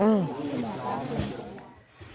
อืม